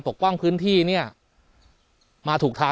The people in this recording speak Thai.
สวัสดีทุกคน